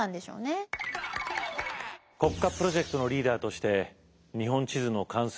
国家プロジェクトのリーダーとして日本地図の完成に闘志を燃やす忠敬。